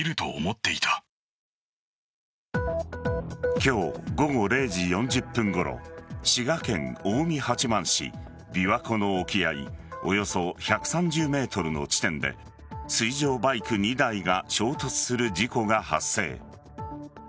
今日午後０時４０分ごろ滋賀県近江八幡市琵琶湖の沖合およそ１３０ｍの地点で水上バイク２台が衝突する事故が発生。